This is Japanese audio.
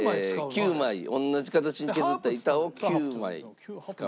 ９枚同じ形に削った板を９枚使う。